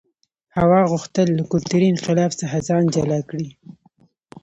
هوا غوښتل له کلتوري انقلاب څخه ځان جلا کړي.